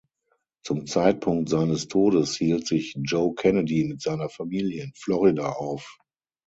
Zum Zeitpunkt seines Todes hielt sich Joe Kennedy mit seiner Familie in Florida auf.